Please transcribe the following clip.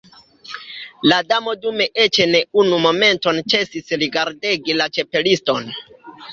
La Damo dume eĉ ne unu momenton ĉesis rigardegi la Ĉapeliston.